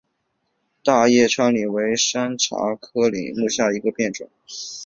大叶川柃为山茶科柃木属下的一个变种。